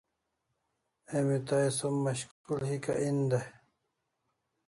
Emi tai som mashkul hika en dai